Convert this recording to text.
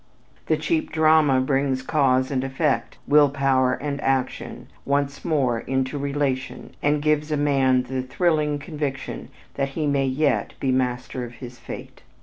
The cheap drama brings cause and effect, will power and action, once more into relation and gives a man the thrilling conviction that he may yet be master of his fate.